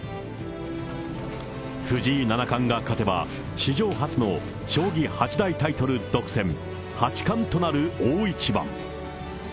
藤井七冠が勝てば、史上初の将棋八大タイトル独占、八冠となる大一番。